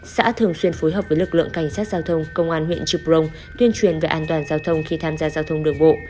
xã thường xuyên phối hợp với lực lượng cảnh sát giao thông công an huyện trư prong tuyên truyền về an toàn giao thông khi tham gia giao thông đường bộ